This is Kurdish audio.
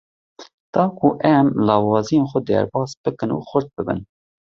Da ku em lawaziyên xwe derbas bikin û xurt bibin.